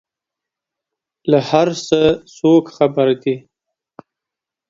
له هر څه څوک خبر دي؟